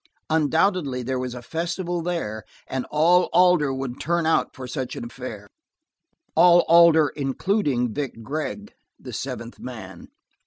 Undoubtedly, there was a festival there, and all Alder would turn out to such an affair. All Alder, including Vic Gregg, the seventh man.